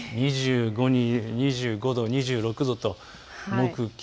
２５度、２６度と木金